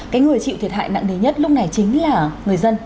cái người chịu thiệt hại nặng nề nhất lúc này chính là người dân